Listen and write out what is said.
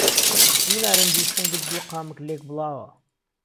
دوو نارنجی سنگت دوو قامک لێک بڵاوه